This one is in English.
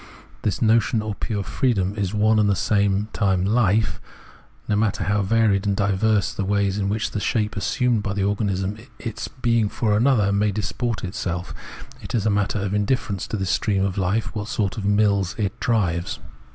This notion or pure freedom is one and the same hfe, no matter how varied and diverse the ways in which the shape assumed by the organism, its " being for another," may disport itself ; it is a matter of indifference to this stream of hfe what sort of mills it drives.